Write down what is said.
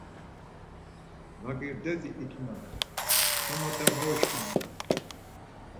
Laǩirdeti it̆unan, so mat̆en var uşǩunan.